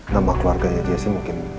nama keluarganya jessy mungkin